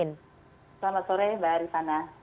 selamat sore mbak arisana